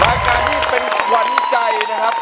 รายการที่เป็นขวัญใจนะครับ